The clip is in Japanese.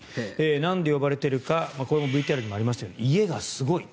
なんで呼ばれているかこれもＶＴＲにありましたが家がすごい。